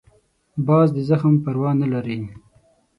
باز د زخم پروا نه لري